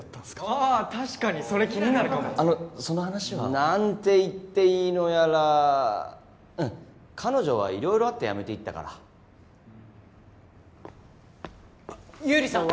ああ確かにそれ気になるかもあのその話は何て言っていいのやらうん彼女は色々あって辞めていったから優里さん！？